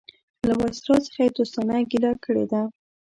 له وایسرا څخه یې دوستانه ګیله کړې ده.